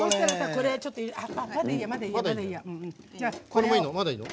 これもいいの？